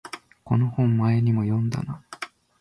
この本前にも読んだな